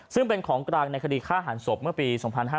ซึ่งเป็นของกลางในคดีฆ่าหันศพเมื่อปี๒๕๕๙